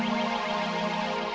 oh ya keplik